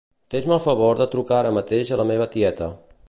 Fes-me el favor de trucar ara mateix a la meva tieta.